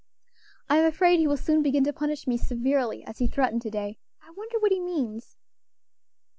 I'm afraid he will soon begin to punish me severely, as he threatened to day. I wonder what he means?"